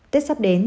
tết sắp đến